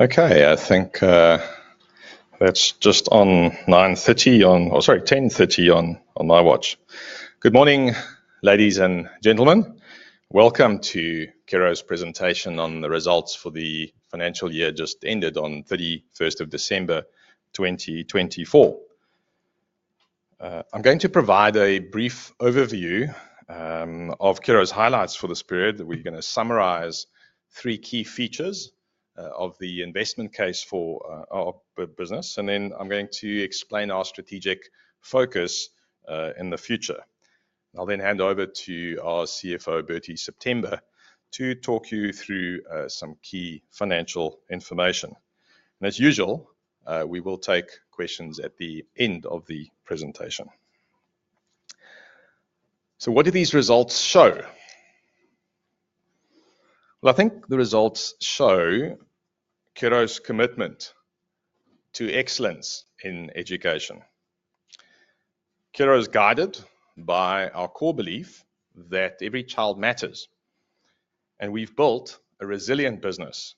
Okay, I think that's just on 9:30 on—oh, sorry, 10:30 on my watch. Good morning, ladies and gentlemen. Welcome to Curro's presentation on the results for the financial year just ended on 31st of December, 2024. I'm going to provide a brief overview of Curro's highlights for this period. We're going to summarize three key features of the investment case for our business, and then I'm going to explain our strategic focus in the future. I'll then hand over to our CFO, Burtie September, to talk you through some key financial information. As usual, we will take questions at the end of the presentation. What do these results show? I think the results show Curro's commitment to excellence in education. Curro is guided by our core belief that every child matters, and we've built a resilient business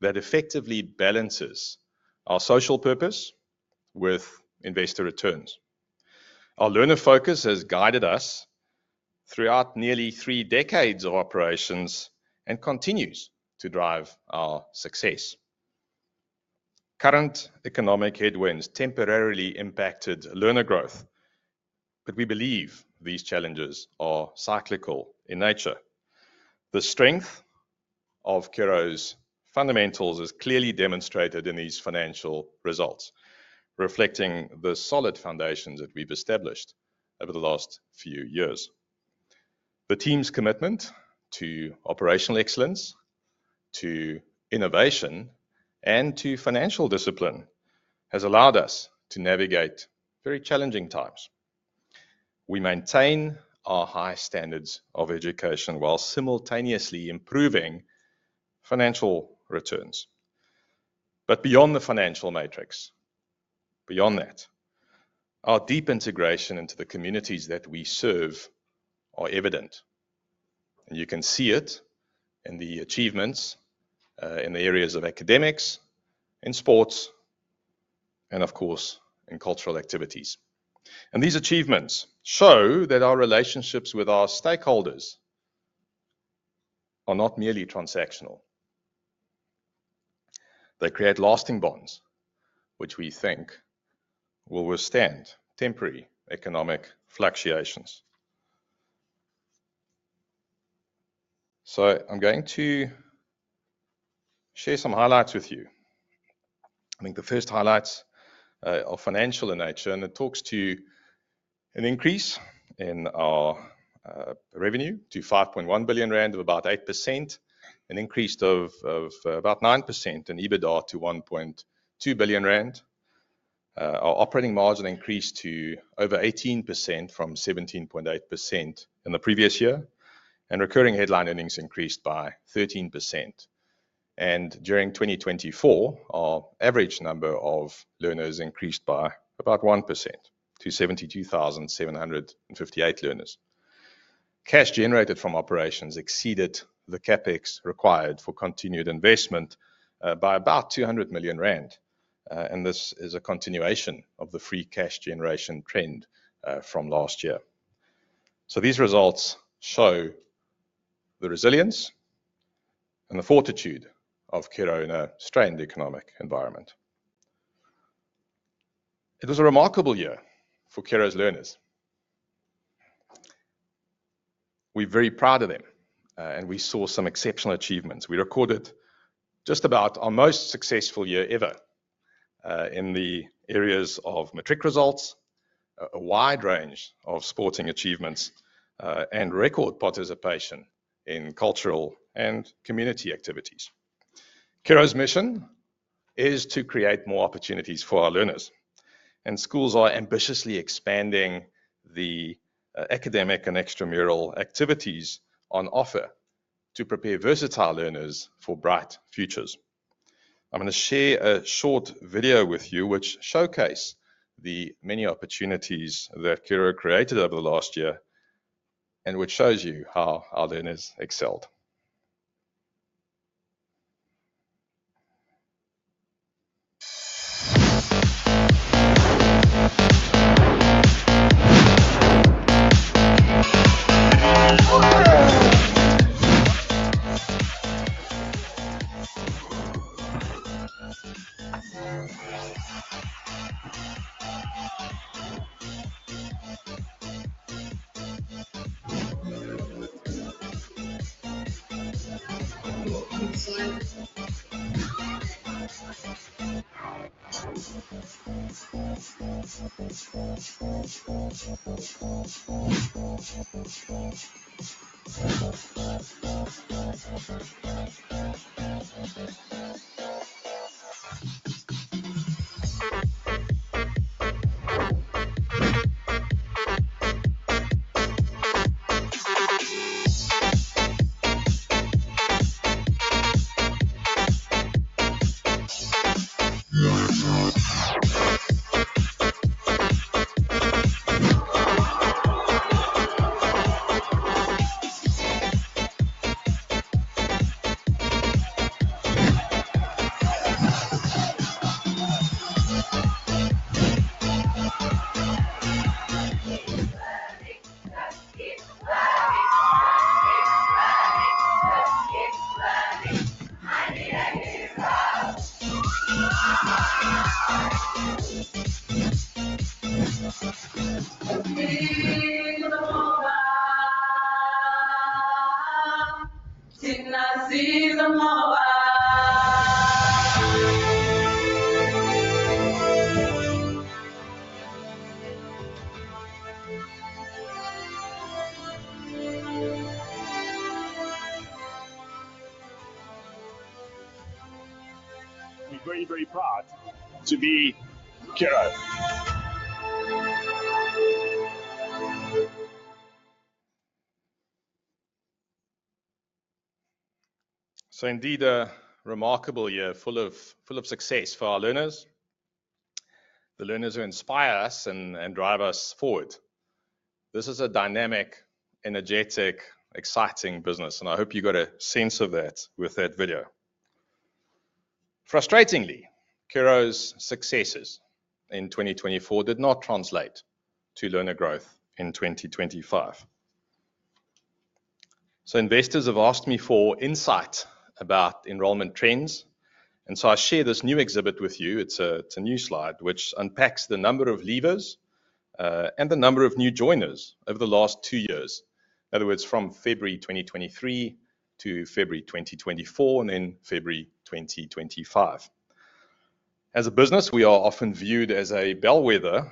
that effectively balances our social purpose with investor returns. Our learner focus has guided us throughout nearly three decades of operations and continues to drive our success. Current economic headwinds temporarily impacted learner growth, but we believe these challenges are cyclical in nature. The strength of Curro's fundamentals is clearly demonstrated in these financial results, reflecting the solid foundations that we've established over the last few years. The team's commitment to operational excellence, to innovation, and to financial discipline has allowed us to navigate very challenging times. We maintain our high standards of education while simultaneously improving financial returns. Beyond the financial metrics, beyond that, our deep integration into the communities that we serve are evident. You can see it in the achievements, in the areas of academics, in sports, and of course, in cultural activities. These achievements show that our relationships with our stakeholders are not merely transactional. They create lasting bonds, which we think will withstand temporary economic fluctuations. I am going to share some highlights with you. I think the first highlights are financial in nature, and it talks to an increase in our revenue to 5.1 billion rand of about 8%, an increase of about 9% in EBITDA to 1.2 billion rand. Our operating margin increased to over 18% from 17.8% in the previous year, and recurring headline earnings increased by 13%. During 2024, our average number of learners increased by about 1% to 72,758 learners. Cash generated from operations exceeded the CapEx required for continued investment by about 200 million rand. This is a continuation of the free cash generation trend from last year. These results show the resilience and the fortitude of Curro in a strained economic environment. It was a remarkable year for Curro's learners. We're very proud of them, and we saw some exceptional achievements. We recorded just about our most successful year ever, in the areas of Matric results, a wide range of sporting achievements, and record participation in cultural and community activities. Curro's mission is to create more opportunities for our learners, and schools are ambitiously expanding the academic and extramural activities on offer to prepare versatile learners for bright futures. I'm going to share a short video with you which showcases the many opportunities that Curro created over the last year and which shows you how our learners excelled. We're very, very proud to be Curro. Indeed, a remarkable year, full of success for our learners. The learners who inspire us and drive us forward. This is a dynamic, energetic, exciting business, and I hope you got a sense of that with that video. Frustratingly, Curro's successes in 2024 did not translate to learner growth in 2025. Investors have asked me for insight about enrollment trends, and I share this new exhibit with you. It's a new slide which unpacks the number of leavers and the number of new joiners over the last two years. In other words, from February 2023-February 2024, and then February 2025. As a business, we are often viewed as a bellwether,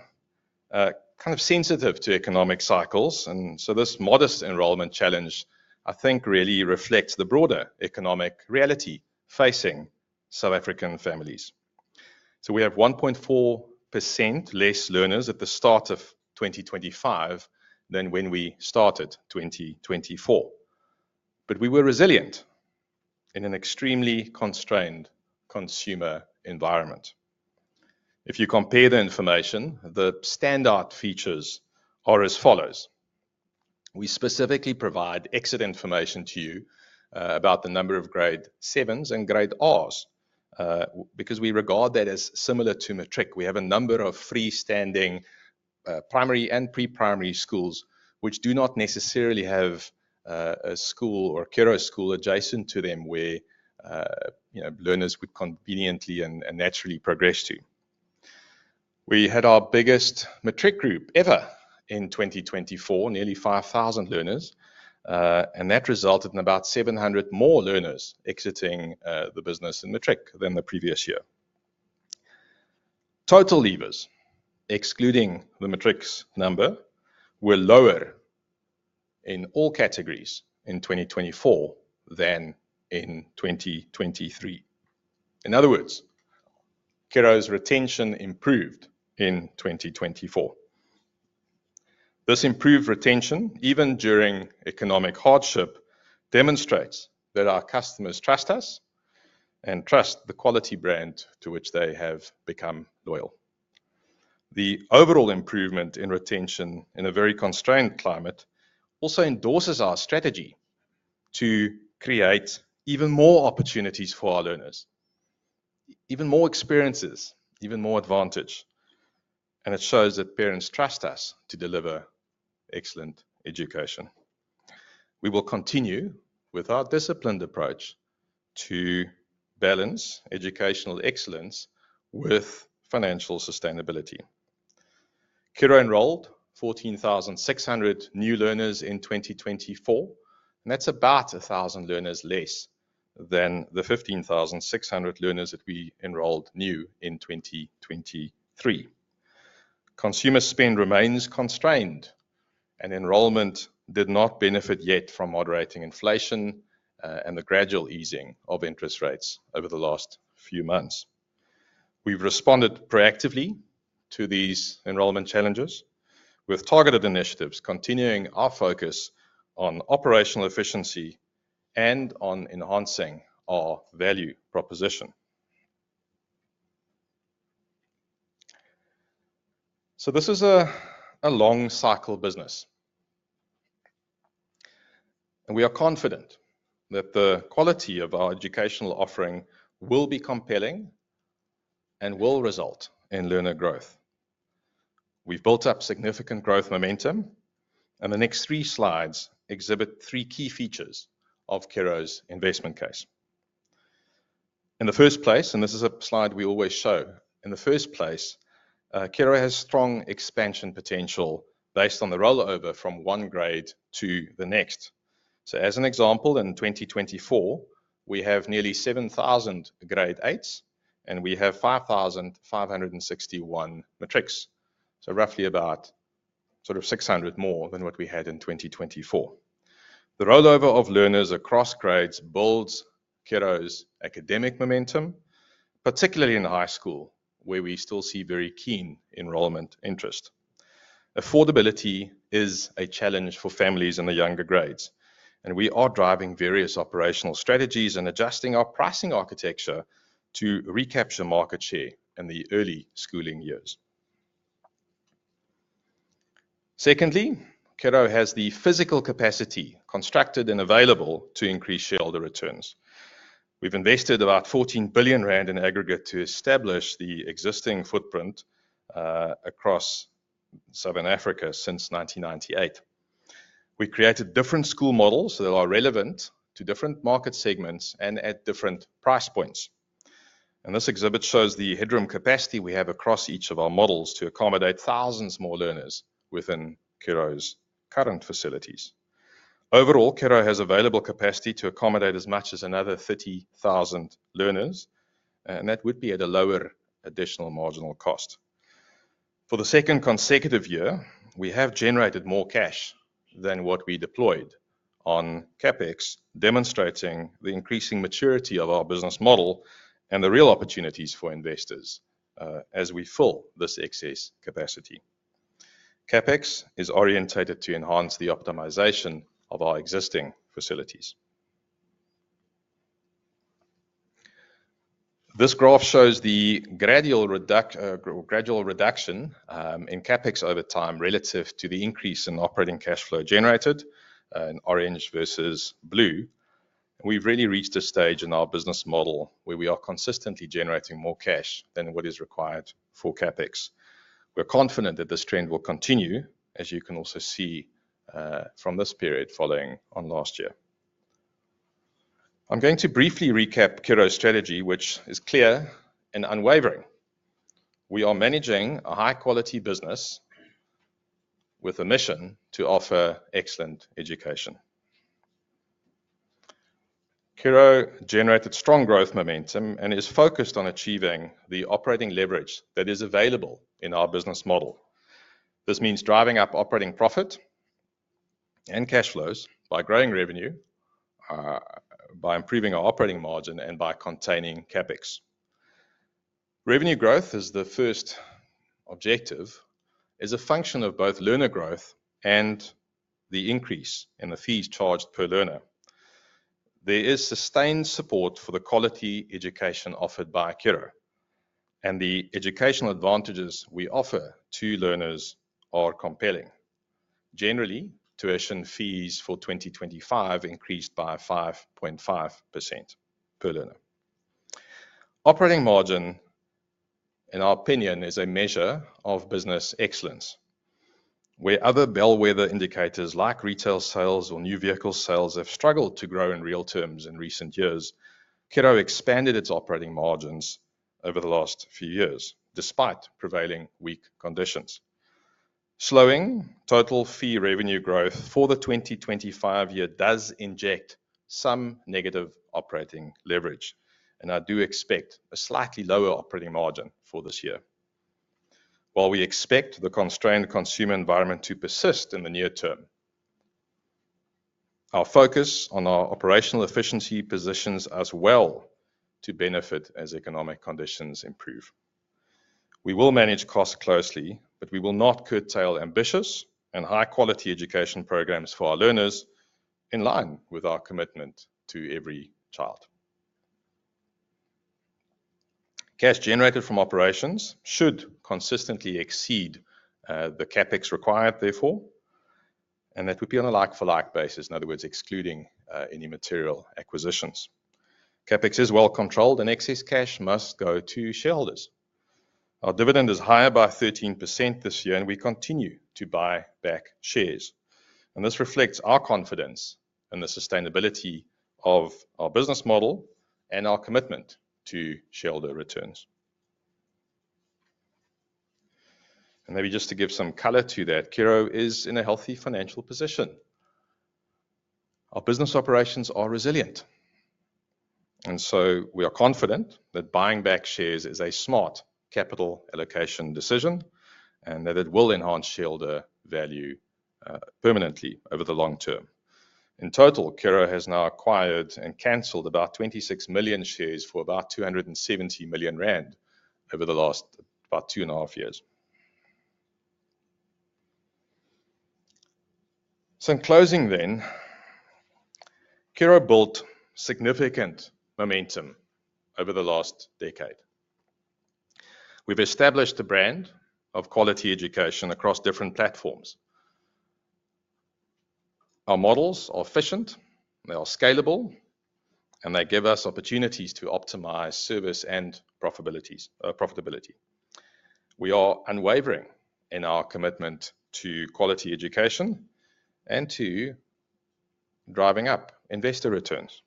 kind of sensitive to economic cycles. This modest enrollment challenge, I think, really reflects the broader economic reality facing South African families. We have 1.4% less learners at the start of 2025 than when we started 2024. We were resilient in an extremely constrained consumer environment. If you compare the information, the standout features are as follows. We specifically provide exit information to you, about the number of Grade 7s and Grade Rs, because we regard that as similar to matric. We have a number of freestanding, primary and pre-primary schools which do not necessarily have a school or Curro school adjacent to them where, you know, learners would conveniently and naturally progress to. We had our biggest matric group ever in 2024, nearly 5,000 learners, and that resulted in about 700 more learners exiting the business in matric than the previous year. Total leavers, excluding the matric number, were lower in all categories in 2024 than in 2023. In other words, Curro's retention improved in 2024. This improved retention, even during economic hardship, demonstrates that our customers trust us and trust the quality brand to which they have become loyal. The overall improvement in retention in a very constrained climate also endorses our strategy to create even more opportunities for our learners, even more experiences, even more advantage. It shows that parents trust us to deliver excellent education. We will continue with our disciplined approach to balance educational excellence with financial sustainability. Curro enrolled 14,600 new learners in 2024, and that's about 1,000 learners less than the 15,600 learners that we enrolled new in 2023. Consumer spend remains constrained, and enrollment did not benefit yet from moderating inflation, and the gradual easing of interest rates over the last few months. We have responded proactively to these enrollment challenges with targeted initiatives, continuing our focus on operational efficiency and on enhancing our value proposition. This is a long-cycle business, and we are confident that the quality of our educational offering will be compelling and will result in learner growth. We've built up significant growth momentum, and the next three slides exhibit three key features of Curro's investment case. In the first place, and this is a slide we always show, in the first place, Curro has strong expansion potential based on the rollover from one grade to the next. As an example, in 2024, we have nearly 7,000 Grade 8s, and we have 5,561 Matrics, so roughly about sort of 600 more than what we had in 2024. The rollover of learners across grades builds Curro's academic momentum, particularly in high school, where we still see very keen enrollment interest. Affordability is a challenge for families in the younger grades, and we are driving various operational strategies and adjusting our pricing architecture to recapture market share in the early schooling years. Curro has the physical capacity constructed and available to increase shareholder returns. We have invested about 14 billion rand in aggregate to establish the existing footprint, across Southern Africa since 1998. We created different school models that are relevant to different market segments and at different price points. This exhibit shows the headroom capacity we have across each of our models to accommodate thousands more learners within Curro's current facilities. Overall, Curro has available capacity to accommodate as much as another 30,000 learners, and that would be at a lower additional marginal cost. For the second consecutive year, we have generated more cash than what we deployed on CapEx, demonstrating the increasing maturity of our business model and the real opportunities for investors, as we fill this excess capacity. CapEx is orientated to enhance the optimization of our existing facilities. This graph shows the gradual reduction in CapEx over time relative to the increase in operating cash flow generated, in orange versus blue. We've really reached a stage in our business model where we are consistently generating more cash than what is required for CapEx. We're confident that this trend will continue, as you can also see, from this period following on last year. I'm going to briefly recap Curro's strategy, which is clear and unwavering. We are managing a high-quality business with a mission to offer excellent education. Curro generated strong growth momentum and is focused on achieving the operating leverage that is available in our business model. This means driving up operating profit and cash flows by growing revenue, by improving our operating margin and by containing CapEx. Revenue growth is the first objective, is a function of both learner growth and the increase in the fees charged per learner. There is sustained support for the quality education offered by Curro, and the educational advantages we offer to learners are compelling. Generally, tuition fees for 2025 increased by 5.5% per learner. Operating margin, in our opinion, is a measure of business excellence. Where other bellwether indicators like retail sales or new vehicle sales have struggled to grow in real terms in recent years, Curro expanded its operating margins over the last few years despite prevailing weak conditions. Slowing total fee revenue growth for the 2025 year does inject some negative operating leverage, and I do expect a slightly lower operating margin for this year. While we expect the constrained consumer environment to persist in the near-term, our focus on our operational efficiency positions us well to benefit as economic conditions improve. We will manage costs closely, but we will not curtail ambitious and high-quality education programs for our learners in line with our commitment to every child. Cash generated from operations should consistently exceed the CapEx required, therefore, and that would be on a like-for-like basis. In other words, excluding any material acquisitions. CapEx is well controlled, and excess cash must go to shareholders. Our dividend is higher by 13% this year, and we continue to buy back shares. This reflects our confidence in the sustainability of our business model and our commitment to shareholder returns. Maybe just to give some color to that, Curro is in a healthy financial position. Our business operations are resilient, and we are confident that buying back shares is a smart capital allocation decision and that it will enhance shareholder value, permanently over the long-term. In total, Curro has now acquired and canceled about 26 million shares for about 270 million rand over the last about two and a half years. In closing, Curro built significant momentum over the last decade. We have established a brand of quality education across different platforms. Our models are efficient, they are scalable, and they give us opportunities to optimize service and profitability. We are unwavering in our commitment to quality education and to driving up investor returns.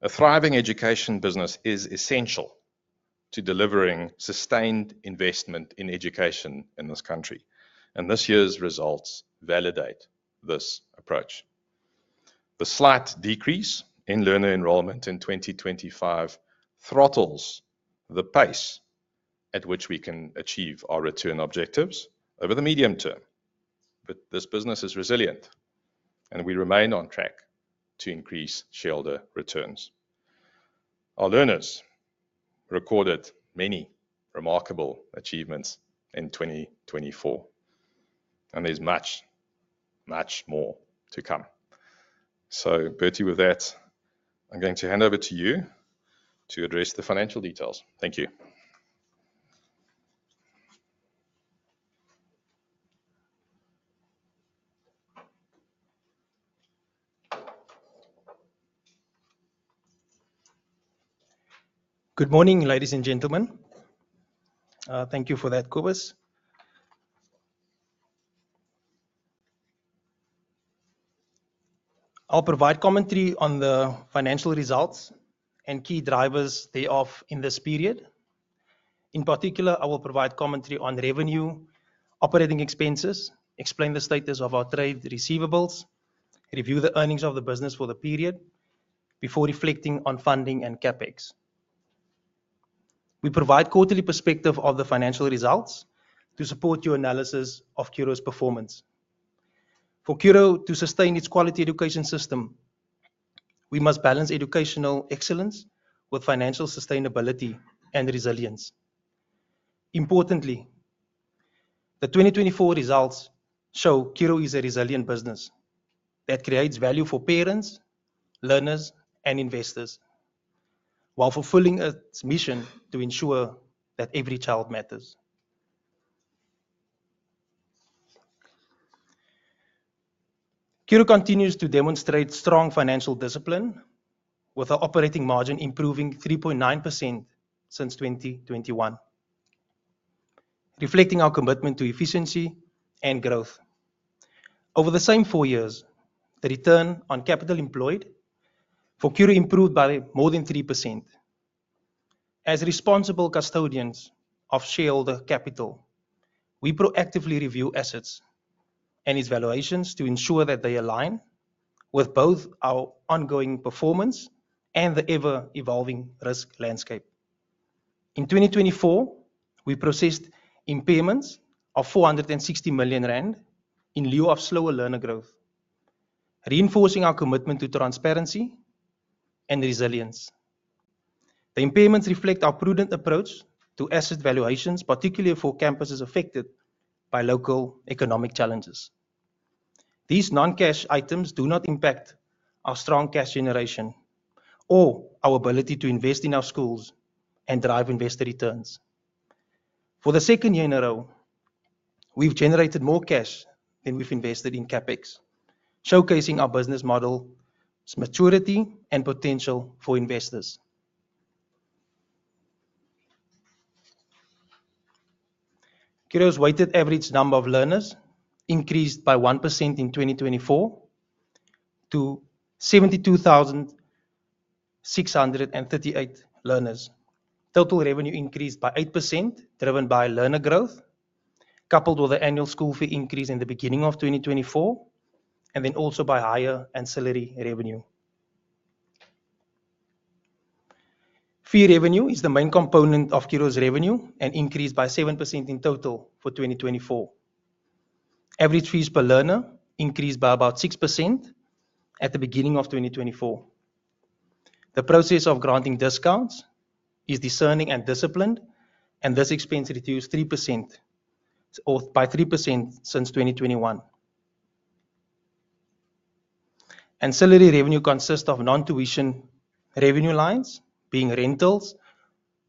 A thriving education business is essential to delivering sustained investment in education in this country, and this year's results validate this approach. The slight decrease in learner enrollment in 2025 throttles the pace at which we can achieve our return objectives over the medium term, but this business is resilient, and we remain on track to increase shareholder returns. Our learners recorded many remarkable achievements in 2024, and there's much, much more to come. Burtie, with that, I'm going to hand over to you to address the financial details. Thank you. Good morning, ladies and gentlemen. Thank you for that, Cobus. I'll provide commentary on the financial results and key drivers they offer in this period. In particular, I will provide commentary on revenue, operating expenses, explain the status of our trade receivables, review the earnings of the business for the period before reflecting on funding and CapEx. We provide quarterly perspective of the financial results to support your analysis of Curro's performance. For Curro to sustain its quality education system, we must balance educational excellence with financial sustainability and resilience. Importantly, the 2024 results show Curro is a resilient business that creates value for parents, learners, and investors while fulfilling its mission to ensure that every child matters. Curro continues to demonstrate strong financial discipline, with our operating margin improving 3.9% since 2021, reflecting our commitment to efficiency and growth. Over the same four years, the return on capital employed for Curro improved by more than 3%. As responsible custodians of shareholder capital, we proactively review assets and its valuations to ensure that they align with both our ongoing performance and the ever-evolving risk landscape. In 2024, we processed impairments of 460 million rand in lieu of slower learner growth, reinforcing our commitment to transparency and resilience. The impairments reflect our prudent approach to asset valuations, particularly for campuses affected by local economic challenges. These non-cash items do not impact our strong cash generation or our ability to invest in our schools and drive investor returns. For the second year in a row, we've generated more cash than we've invested in CapEx, showcasing our business model's maturity and potential for investors. Curro's weighted average number of learners increased by 1% in 2024 to 72,638 learners. Total revenue increased by 8%, driven by learner growth, coupled with the annual school fee increase in the beginning of 2024, and then also by higher ancillary revenue. Fee revenue is the main component of Curro's revenue and increased by 7% in total for 2024. Average fees per learner increased by about 6% at the beginning of 2024. The process of granting discounts is discerning and disciplined, and this expense reduced 3% or by 3% since 2021. Ancillary revenue consists of non-tuition revenue lines, being rentals,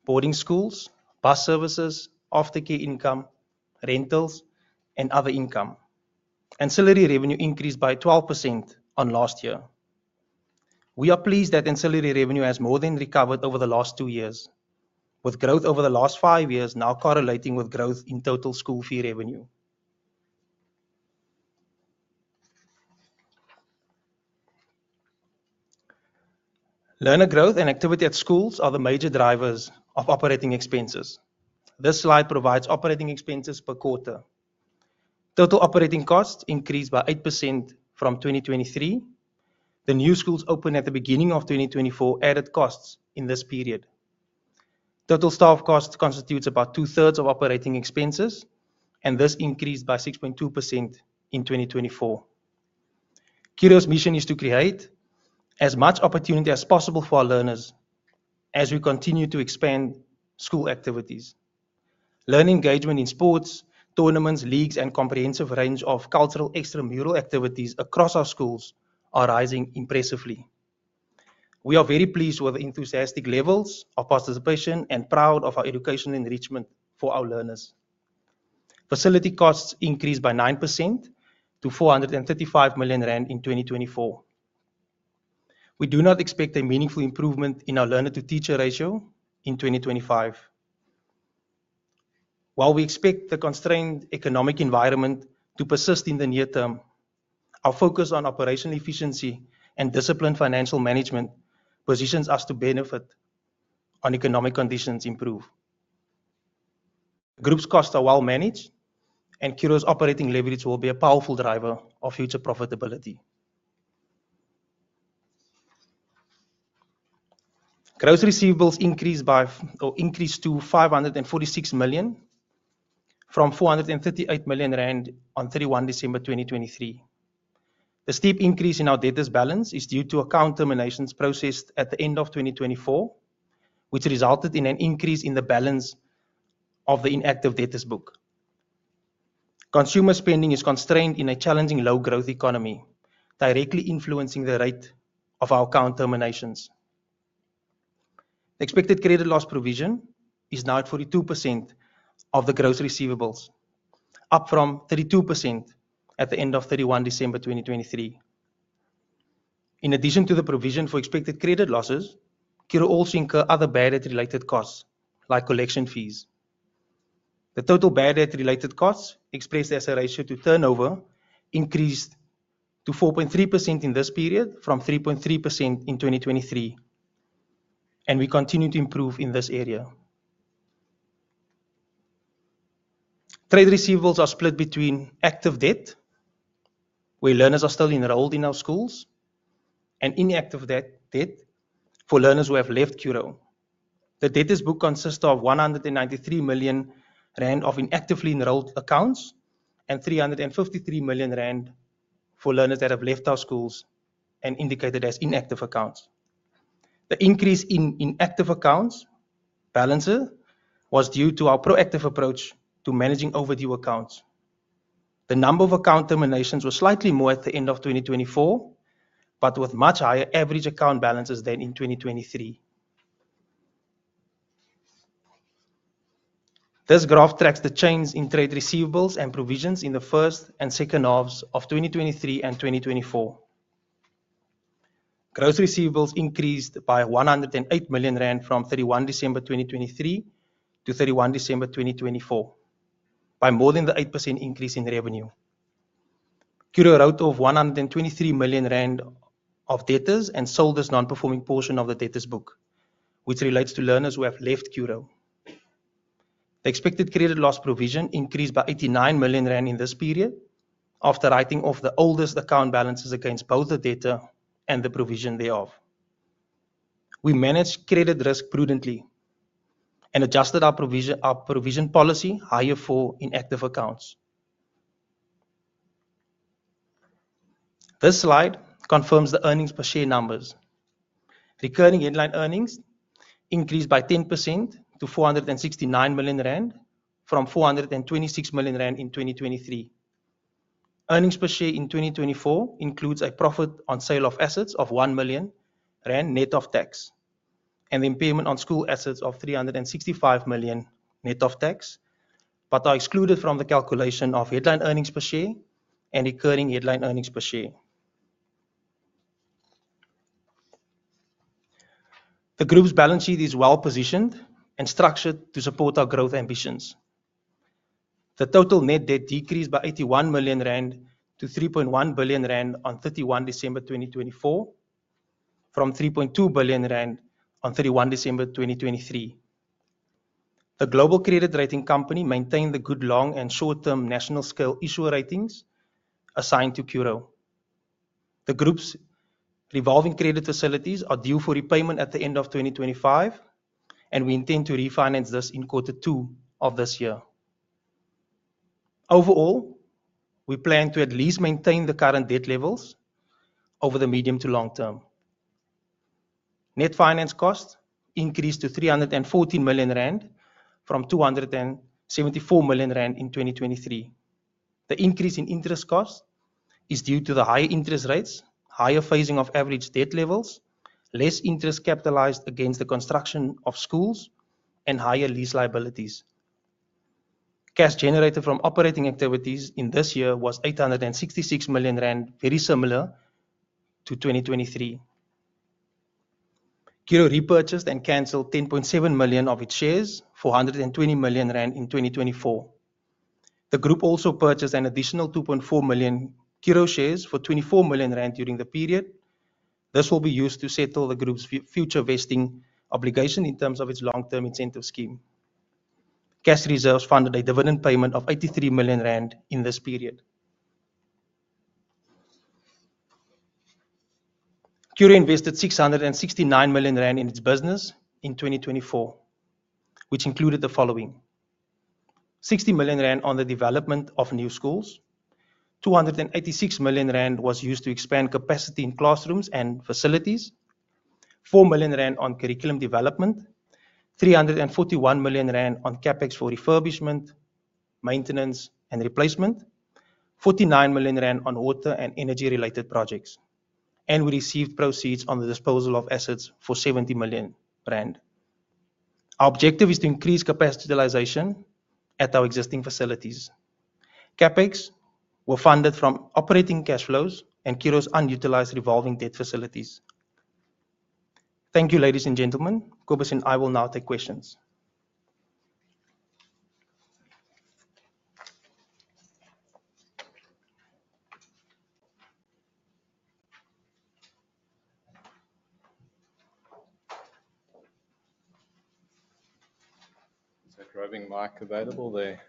boarding schools, bus services, aftercare income, rentals, and other income. Ancillary revenue increased by 12% on last year. We are pleased that ancillary revenue has more than recovered over the last two years, with growth over the last five years now correlating with growth in total school fee revenue. Learner growth and activity at schools are the major drivers of operating expenses. This slide provides operating expenses per quarter. Total operating costs increased by 8% from 2023. The new schools opened at the beginning of 2024 added costs in this period. Total staff costs constitute about two-thirds of operating expenses, and this increased by 6.2% in 2024. Curro's mission is to create as much opportunity as possible for our learners as we continue to expand school activities. Learning engagement in sports, tournaments, leagues, and a comprehensive range of cultural extramural activities across our schools are rising impressively. We are very pleased with the enthusiastic levels of participation and proud of our educational enrichment for our learners. Facility costs increased by 9% to 435 million rand in 2024. We do not expect a meaningful improvement in our learner-to-teacher ratio in 2025. While we expect the constrained economic environment to persist in the near-term, our focus on operational efficiency and disciplined financial management positions us to benefit once economic conditions improve. Group's costs are well managed, and Curro's operating leverage will be a powerful driver of future profitability. Gross receivables increased to 546 million from 438 million rand on 31 December 2023. The steep increase in our debtors' balance is due to account terminations processed at the end of 2024, which resulted in an increase in the balance of the inactive debtors' book. Consumer spending is constrained in a challenging low-growth economy, directly influencing the rate of our account terminations. Expected credit loss provision is now at 42% of the gross receivables, up from 32% at the end of 31 December 2023. In addition to the provision for expected credit losses, Curro also incurs other bad debt-related costs like collection fees. The total bad debt-related costs, expressed as a ratio to turnover, increased to 4.3% in this period from 3.3% in 2023, and we continue to improve in this area. Trade receivables are split between active debt, where learners are still enrolled in our schools, and inactive debt for learners who have left Curro. The debtors' book consists of 193 million rand of inactively enrolled accounts and 353 million rand for learners that have left our schools and indicated as inactive accounts. The increase in inactive accounts balance was due to our proactive approach to managing overdue accounts. The number of account terminations was slightly more at the end of 2024, but with much higher average account balances than in 2023. This graph tracks the change in trade receivables and provisions in the first and second halves of 2023 and 2024. Gross receivables increased by 108 million rand from 31 December 2023 to 31 December 2024, by more than the 8% increase in revenue. Curro wrote off 123 million rand of debtors and sold this non-performing portion of the debtors' book, which relates to learners who have left Curro. The expected credit loss provision increased by 89 million rand in this period after writing off the oldest account balances against both the debtor and the provision thereof. We managed credit risk prudently and adjusted our provision policy higher for inactive accounts. This slide confirms the earnings per share numbers. Recurring headline earnings increased by 10% to 469 million rand from 426 million rand in 2023. Earnings per share in 2024 includes a profit on sale of assets of 1 million rand net of tax and the impairment on school assets of 365 million net of tax, but are excluded from the calculation of headline earnings per share and recurring headline earnings per share. The group's balance sheet is well positioned and structured to support our growth ambitions. The total net debt decreased by 81 million-3.1 billion rand on 31 December 2024, from 3.2 billion rand on 31 December 2023. The Global Credit Rating Company maintained the good long and short-term national scale issuer ratings assigned to Curro. The group's revolving credit facilities are due for repayment at the end of 2025, and we intend to refinance this in quarter two of this year. Overall, we plan to at least maintain the current debt levels over the medium to long-term. Net finance costs increased to 314 million rand from 274 million rand in 2023. The increase in interest costs is due to the higher interest rates, higher phasing of average debt levels, less interest capitalized against the construction of schools, and higher lease liabilities. Cash generated from operating activities in this year was 866 million rand, very similar to 2023. Curro repurchased and canceled 10.7 million of its shares, 420 million rand in 2024. The group also purchased an additional 2.4 million Curro shares for 24 million rand during the period. This will be used to settle the group's future vesting obligation in terms of its long-term incentive scheme. Cash reserves funded a dividend payment of 83 million rand in this period. Curro invested 669 million rand in its business in 2024, which included the following: 60 million rand on the development of new schools, 286 million rand was used to expand capacity in classrooms and facilities, 4 million rand on curriculum development, 341 million rand on CapEx for refurbishment, maintenance, and replacement, 49 million rand on water and energy-related projects, and we received proceeds on the disposal of assets for 70 million rand. Our objective is to increase capacity utilization at our existing facilities. CapEx were funded from operating cash flows and Curro's unutilized revolving debt facilities. Thank you, ladies and gentlemen. Cobus and I will now take questions. Is that driving mic available there?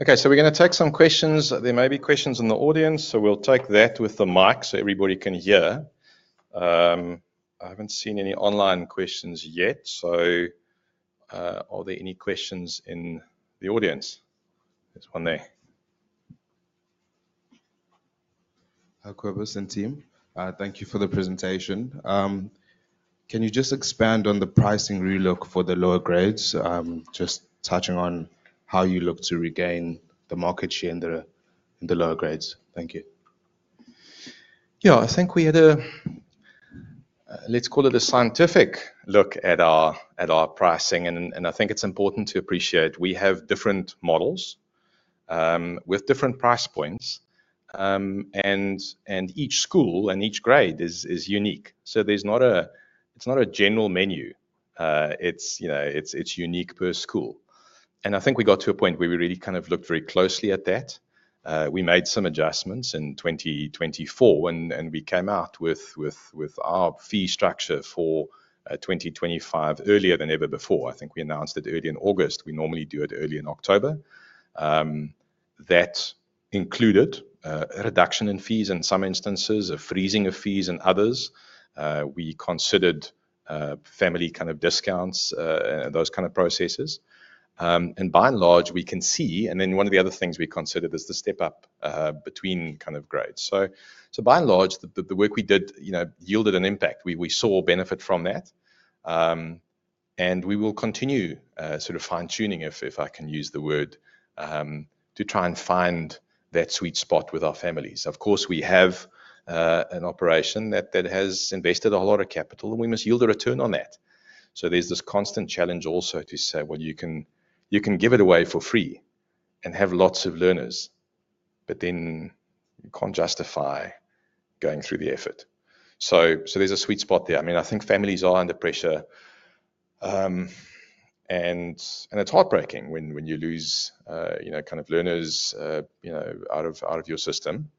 Okay, so we're going to take some questions. There may be questions in the audience, so we'll take that with the mic so everybody can hear. I haven't seen any online questions yet, so are there any questions in the audience? There's one there. Hello, Cobus and team. Thank you for the presentation. Can you just expand on the pricing relook for the lower grades, just touching on how you look to regain the market share in the lower grades? Thank you. Yeah, I think we had a, let's call it a scientific look at our pricing, and I think it's important to appreciate we have different models with different price points, and each school and each grade is unique. It's not a general menu. It's, you know, it's unique per school. I think we got to a point where we really kind of looked very closely at that. We made some adjustments in 2024, and we came out with our fee structure for 2025 earlier than ever before. I think we announced it early in August. We normally do it early in October. That included a reduction in fees in some instances, a freezing of fees in others. We considered family kind of discounts and those kind of processes. By and large, we can see, and then one of the other things we considered is the step up between kind of grades. By and large, the work we did, you know, yielded an impact. We saw benefit from that, and we will continue sort of fine-tuning, if I can use the word, to try and find that sweet spot with our families. Of course, we have an operation that has invested a lot of capital, and we must yield a return on that. There is this constant challenge also to say, well, you can give it away for free and have lots of learners, but then you can't justify going through the effort. There is a sweet spot there. I mean, I think families are under pressure, and it's heartbreaking when you lose, you know, kind of learners, you know, out of your system.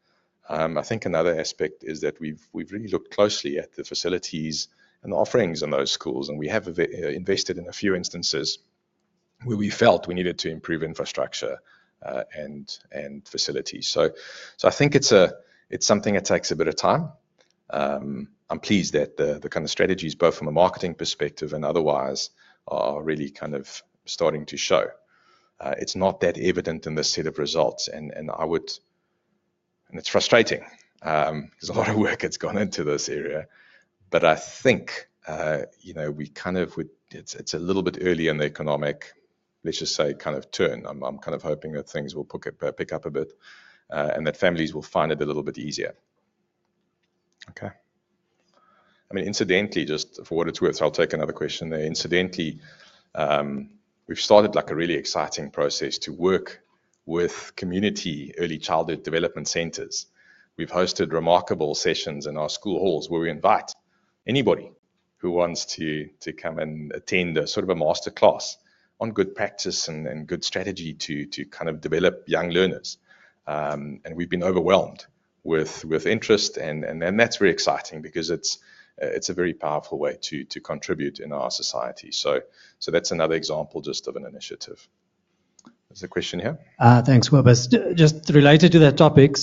I think another aspect is that we've really looked closely at the facilities and the offerings in those schools, and we have invested in a few instances where we felt we needed to improve infrastructure and facilities. I think it's something that takes a bit of time. I'm pleased that the kind of strategies, both from a marketing perspective and otherwise, are really kind of starting to show. It's not that evident in this set of results, and I would, and it's frustrating because a lot of work has gone into this area, but I think, you know, we kind of, it's a little bit early in the economic, let's just say, kind of turn. I'm kind of hoping that things will pick up a bit and that families will find it a little bit easier. Okay. I mean, incidentally, just for what it's worth, I'll take another question there. Incidentally, we've started like a really exciting process to work with community early childhood development centers. We've hosted remarkable sessions in our school halls where we invite anybody who wants to come and attend a sort of a masterclass on good practice and good strategy to kind of develop young learners. We have been overwhelmed with interest, and that is very exciting because it is a very powerful way to contribute in our society. That is another example just of an initiative. There is a question here. Thanks, Cobus. Just related to that topic,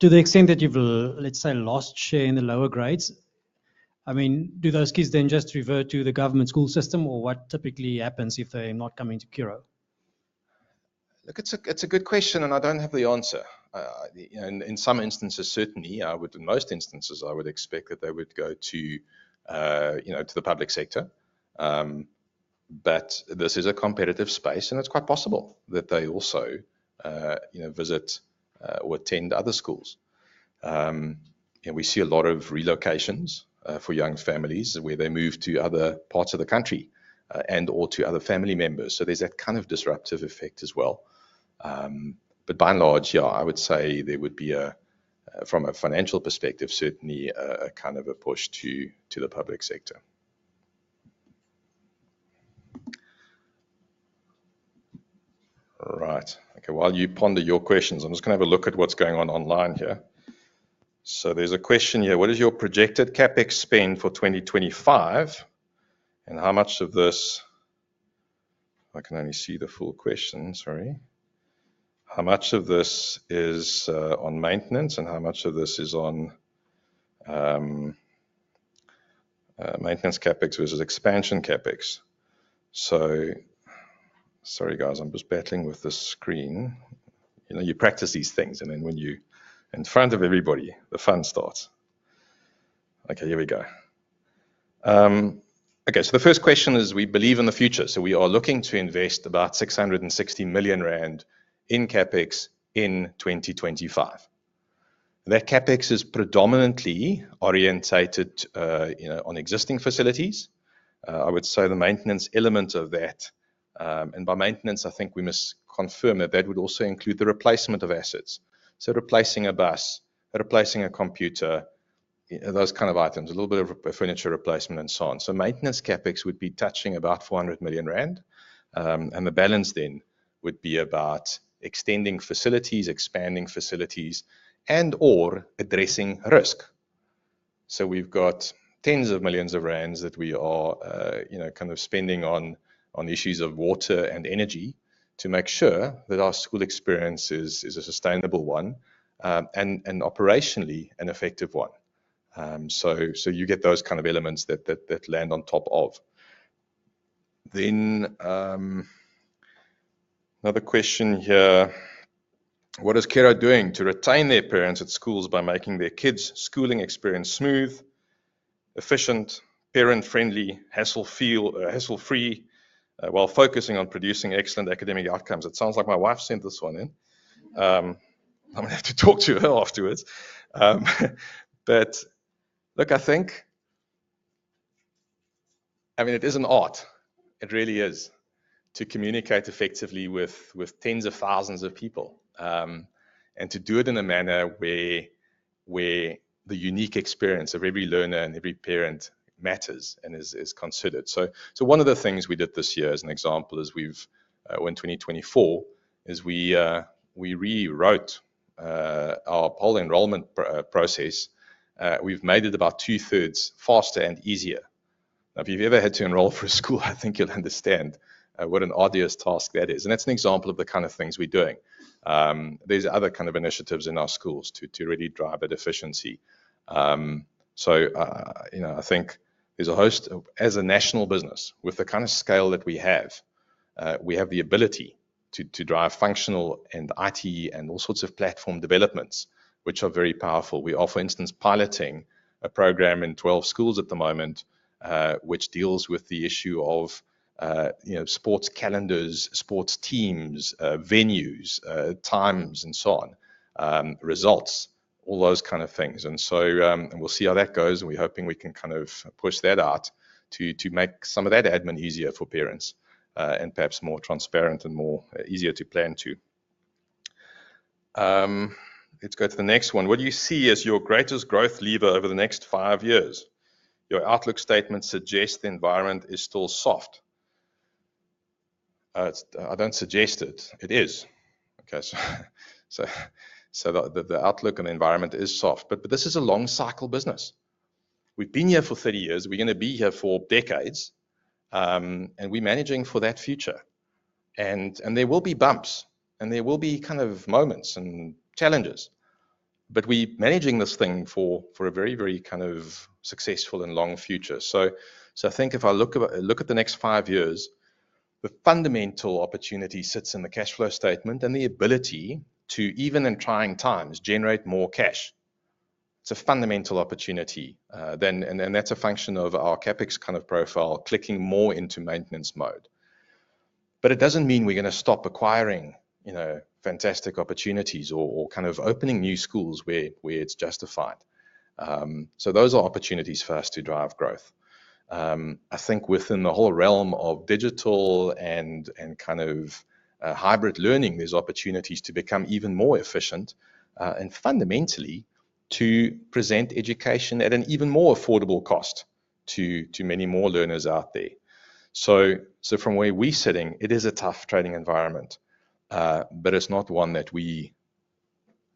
to the extent that you have, let's say, lost share in the lower grades, I mean, do those kids then just revert to the government school system or what typically happens if they are not coming to Curro? Look, it is a good question, and I do not have the answer. In some instances, certainly, with most instances, I would expect that they would go to, you know, to the public sector. This is a competitive space, and it is quite possible that they also, you know, visit or attend other schools. We see a lot of relocations for young families where they move to other parts of the country and/or to other family members. There is that kind of disruptive effect as well. By and large, I would say there would be, from a financial perspective, certainly a kind of a push to the public sector. Right. Okay, while you ponder your questions, I'm just going to have a look at what's going on online here. There is a question here. What is your projected CapEx spend for 2025, and how much of this—I can only see the full question, sorry—how much of this is on maintenance, and how much of this is on maintenance CapEx versus expansion CapEx? Sorry, guys, I'm just battling with this screen. You know, you practice these things, and then when you're in front of everybody, the fun starts. Okay, here we go. Okay, the first question is, we believe in the future. We are looking to invest about 660 million rand in CapEx in 2025. That capex is predominantly orientated, you know, on existing facilities. I would say the maintenance element of that, and by maintenance, I think we must confirm that that would also include the replacement of assets. Replacing a bus, replacing a computer, those kind of items, a little bit of furniture replacement and so on. Maintenance CapEx would be touching about 400 million rand, and the balance then would be about extending facilities, expanding facilities, and/or addressing risk. We have tens of millions of rands that we are, you know, kind of spending on issues of water and energy to make sure that our school experience is a sustainable one and operationally an effective one. You get those kind of elements that land on top of. Another question here. What is Curro doing to retain their parents at schools by making their kids' schooling experience smooth, efficient, parent-friendly, hassle-free while focusing on producing excellent academic outcomes? It sounds like my wife sent this one in. I'm going to have to talk to her afterwards. Look, I think, I mean, it is an art. It really is to communicate effectively with tens of thousands of people and to do it in a manner where the unique experience of every learner and every parent matters and is considered. One of the things we did this year as an example is we've, in 2024, we rewrote our poll enrollment process. We've made it about two-thirds faster and easier. Now, if you've ever had to enroll for a school, I think you'll understand what an odious task that is. That's an example of the kind of things we're doing. There's other kind of initiatives in our schools to really drive that efficiency. You know, I think there's a host, as a national business, with the kind of scale that we have, we have the ability to drive functional and IT and all sorts of platform developments, which are very powerful. We are, for instance, piloting a program in 12 schools at the moment, which deals with the issue of, you know, sports calendars, sports teams, venues, times, and so on, results, all those kind of things. We will see how that goes, and we're hoping we can kind of push that out to make some of that admin easier for parents and perhaps more transparent and easier to plan to. Let's go to the next one. What do you see as your greatest growth lever over the next five years? Your outlook statement suggests the environment is still soft. I don't suggest it. It is. Okay, the outlook and the environment is soft, but this is a long-cycle business. We've been here for 30 years. We're going to be here for decades, and we're managing for that future. There will be bumps, and there will be kind of moments and challenges, but we're managing this thing for a very, very successful and long future. I think if I look at the next five years, the fundamental opportunity sits in the cash flow statement and the ability to, even in trying times, generate more cash. It's a fundamental opportunity, and that's a function of our CapEx kind of profile clicking more into maintenance mode. It doesn't mean we're going to stop acquiring, you know, fantastic opportunities or kind of opening new schools where it's justified. Those are opportunities for us to drive growth. I think within the whole realm of digital and kind of hybrid learning, there's opportunities to become even more efficient and fundamentally to present education at an even more affordable cost to many more learners out there. From where we're sitting, it is a tough trading environment, but it's not one that we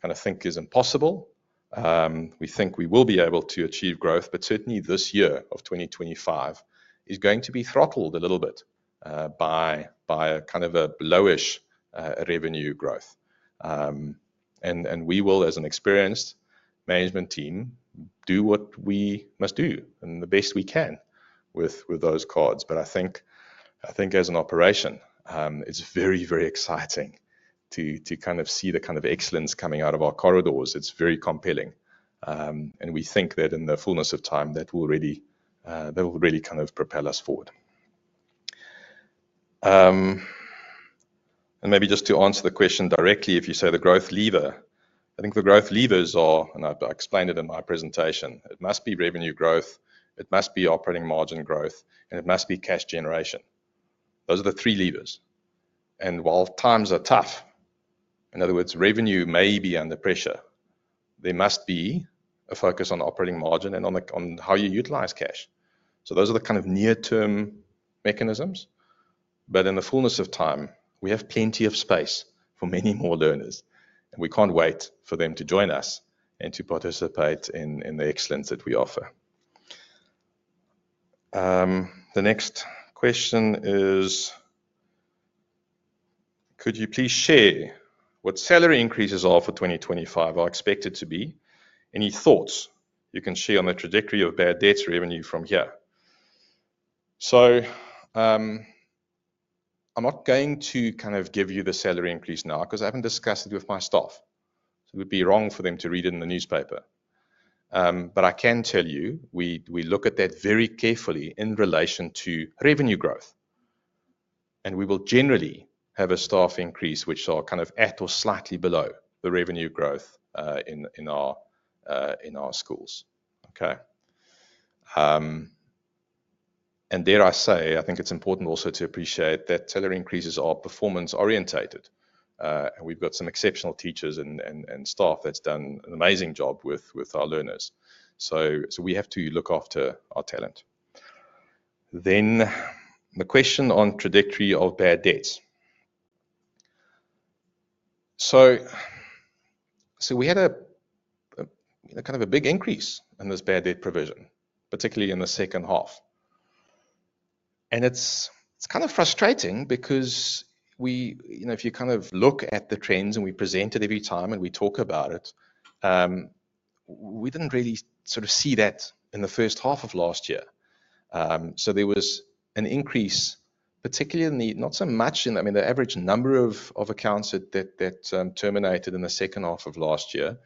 kind of think is impossible. We think we will be able to achieve growth, but certainly this year of 2025 is going to be throttled a little bit by kind of a low-ish revenue growth. We will, as an experienced management team, do what we must do and the best we can with those cards. I think, as an operation, it's very, very exciting to kind of see the kind of excellence coming out of our corridors. It's very compelling, and we think that in the fullness of time, that will really kind of propel us forward. Maybe just to answer the question directly, if you say the growth lever, I think the growth levers are, and I explained it in my presentation, it must be revenue growth, it must be operating margin growth, and it must be cash generation. Those are the three levers. While times are tough, in other words, revenue may be under pressure, there must be a focus on operating margin and on how you utilize cash. Those are the kind of near-term mechanisms. In the fullness of time, we have plenty of space for many more learners, and we can't wait for them to join us and to participate in the excellence that we offer. The next question is, could you please share what salary increases are for 2025? I expect it to be any thoughts you can share on the trajectory of bad debts revenue from here. I'm not going to kind of give you the salary increase now because I haven't discussed it with my staff. It would be wrong for them to read it in the newspaper. I can tell you we look at that very carefully in relation to revenue growth, and we will generally have a staff increase which are kind of at or slightly below the revenue growth in our schools. Okay. I think it's important also to appreciate that salary increases are performance-orientated. We've got some exceptional teachers and staff that's done an amazing job with our learners. We have to look after our talent. The question on trajectory of bad debts. We had a kind of a big increase in this bad debt provision, particularly in the second half. It's kind of frustrating because if you kind of look at the trends and we present it every time and we talk about it, we didn't really sort of see that in the first half of last year. There was an increase, particularly in the, not so much in, I mean, the average number of accounts that terminated in the second half of last year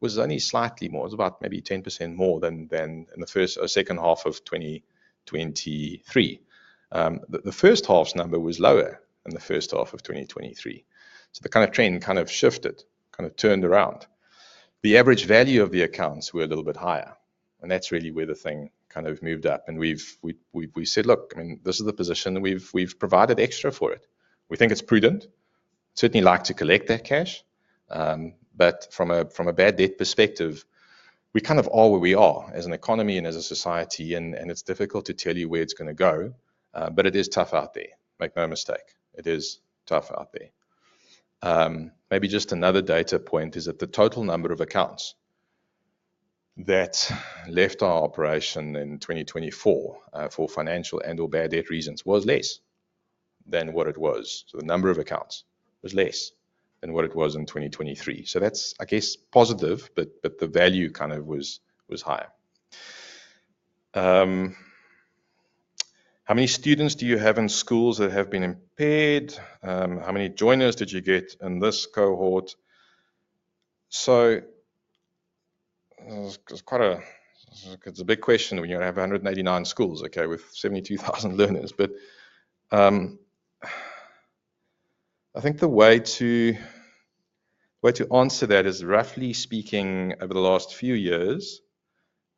was only slightly more. It was about maybe 10% more than in the first or second half of 2023. The first half's number was lower than the first half of 2023. The kind of trend kind of shifted, kind of turned around. The average value of the accounts were a little bit higher, and that's really where the thing kind of moved up. We said, look, I mean, this is the position. We've provided extra for it. We think it's prudent. Certainly like to collect that cash, but from a bad debt perspective, we kind of are where we are as an economy and as a society, and it's difficult to tell you where it's going to go, but it is tough out there. Make no mistake. It is tough out there. Maybe just another data point is that the total number of accounts that left our operation in 2024 for financial and/or bad debt reasons was less than what it was. The number of accounts was less than what it was in 2023. That is, I guess, positive, but the value kind of was higher. How many students do you have in schools that have been impaired? How many joiners did you get in this cohort? It is quite a, it's a big question when you have 189 schools, with 72,000 learners. I think the way to answer that is, roughly speaking, over the last few years,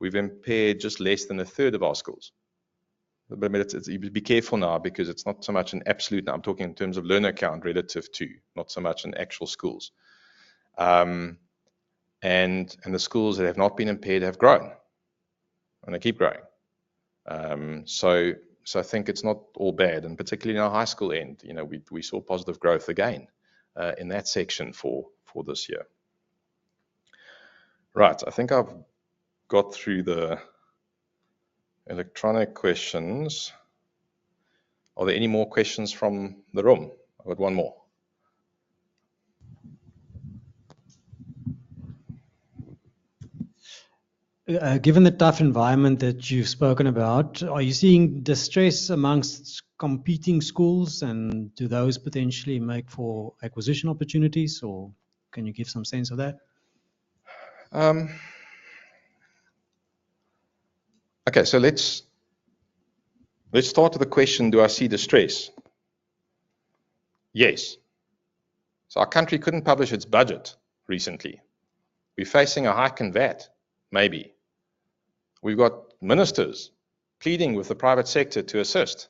we've impaired just less than a third of our schools. Be careful now because it's not so much an absolute, and I'm talking in terms of learner count relative to, not so much in actual schools. The schools that have not been impaired have grown and they keep growing. I think it's not all bad, and particularly in our high school end, you know, we saw positive growth again in that section for this year. Right. I think I've got through the electronic questions. Are there any more questions from the room? I've got one more. Given the tough environment that you've spoken about, are you seeing distress amongst competing schools, and do those potentially make for acquisition opportunities, or can you give some sense of that? Okay, let's start with the question, do I see distress? Yes. Our country could not publish its budget recently. We're facing a hike in VAT, maybe. We've got ministers pleading with the private sector to assist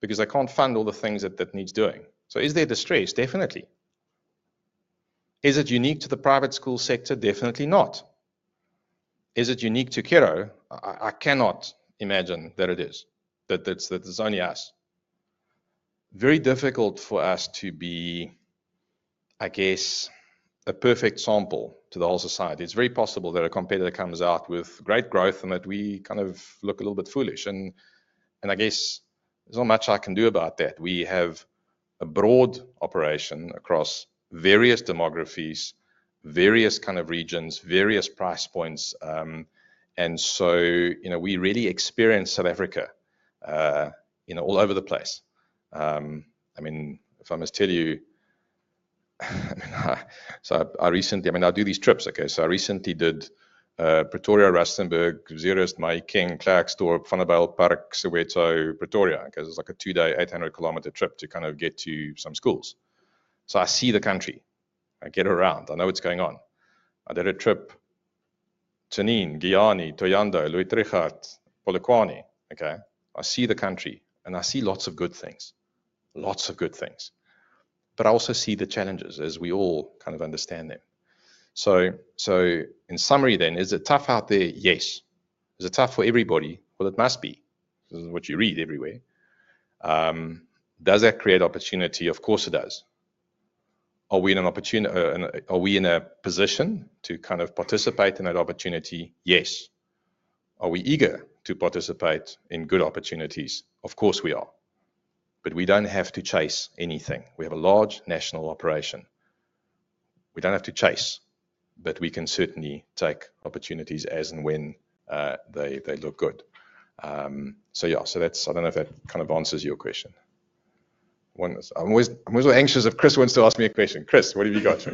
because they can't fund all the things that need doing. Is there distress? Definitely. Is it unique to the private school sector? Definitely not. Is it unique to Curro? I cannot imagine that it is. That it's only us. Very difficult for us to be, I guess, a perfect sample to the whole society. It's very possible that a competitor comes out with great growth and that we kind of look a little bit foolish. I guess there's not much I can do about that. We have a broad operation across various demographies, various regions, various price points. You know, we really experience South Africa all over the place. I mean, if I must tell you, I mean, I recently, I do these trips, okay? I recently did Pretoria, Rustenburg, Zeerust, Mahikeng, Klerksdorp, Vanderbijlpark, Soweto, Pretoria, okay? It is like a two-day, 800 km trip to kind of get to some schools. I see the country. I get around. I know what is going on. I did a trip to Tzaneen, Giyani, Thohoyandou, Louis Trichardt, Polokwane, okay? I see the country and I see lots of good things. Lots of good things. I also see the challenges as we all kind of understand them. In summary then, is it tough out there? Yes. Is it tough for everybody? It must be. This is what you read everywhere. Does that create opportunity? Of course it does. Are we in an opportunity, are we in a position to kind of participate in that opportunity? Yes. Are we eager to participate in good opportunities? Of course we are. We do not have to chase anything. We have a large national operation. We do not have to chase, but we can certainly take opportunities as and when they look good. Yeah, that is, I do not know if that kind of answers your question. I am always anxious if Chris wants to ask me a question. Chris, what have you got?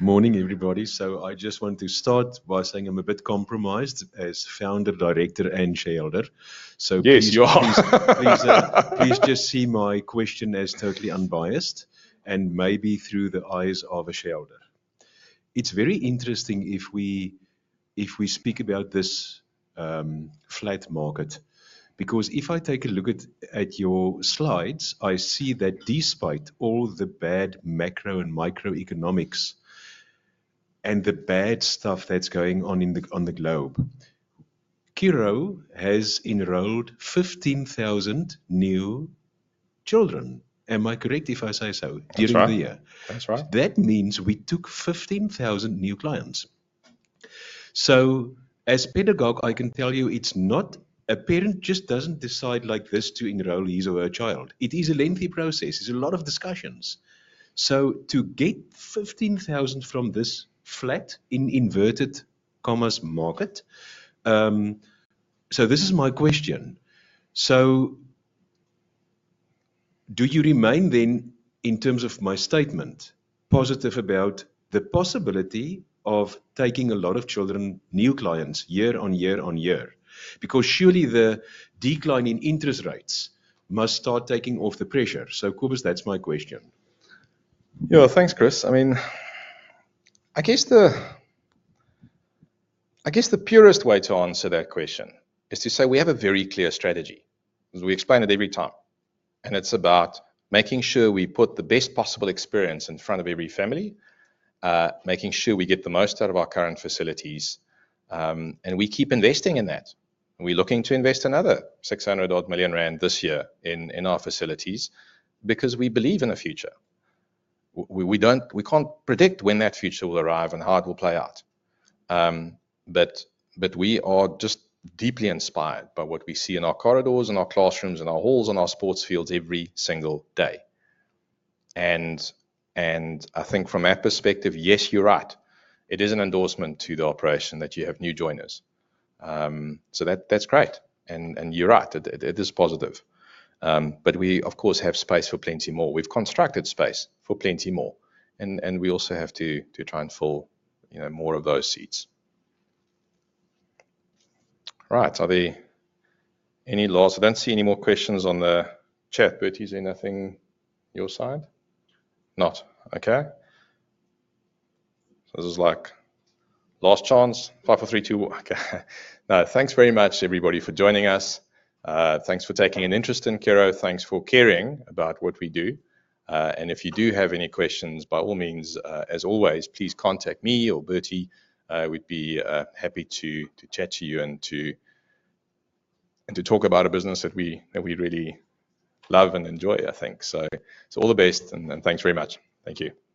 Morning, everybody. I just want to start by saying I am a bit compromised as founder, director, and shareholder. Please just see my question as totally unbiased and maybe through the eyes of a shareholder. It's very interesting if we speak about this flat market because if I take a look at your slides, I see that despite all the bad macro and microeconomics and the bad stuff that's going on on the globe, Curro has enrolled 15,000 new children. Am I correct if I say so? That's right. That means we took 15,000 new clients. As pedagogue, I can tell you it's not, a parent just doesn't decide like this to enroll his or her child. It is a lengthy process. There's a lot of discussions. To get 15,000 from this flat in inverted commas market, this is my question. Do you remain then in terms of my statement positive about the possibility of taking a lot of children, new clients year-on-year-on-year? Surely the decline in interest rates must start taking off the pressure. Cobus, that's my question. Yeah, thanks, Chris. I mean, I guess the purest way to answer that question is to say we have a very clear strategy. We explain it every time. It is about making sure we put the best possible experience in front of every family, making sure we get the most out of our current facilities, and we keep investing in that. We are looking to invest another 600 million rand this year in our facilities because we believe in a future. We can't predict when that future will arrive and how it will play out. We are just deeply inspired by what we see in our corridors and our classrooms and our halls and our sports fields every single day. I think from that perspective, yes, you're right. It is an endorsement to the operation that you have new joiners. That's great. You're right. It is positive. We, of course, have space for plenty more. We've constructed space for plenty more. We also have to try and fill more of those seats. All right. Are there any last, I don't see any more questions on the chat, but is there anything your side? Not. This is like last chance. 5 4 3 2. No, thanks very much, everybody, for joining us. Thanks for taking an interest in Curro. Thanks for caring about what we do. If you do have any questions, by all means, as always, please contact me or Bertie. We'd be happy to chat to you and to talk about a business that we really love and enjoy, I think. All the best and thanks very much. Thank you.